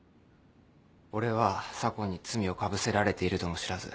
俺は左紺に罪をかぶせられているとも知らず。